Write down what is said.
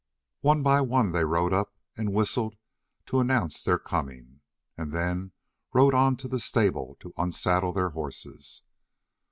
One by one they rode up, and whistled to announce their coming, and then rode on to the stable to unsaddle their horses.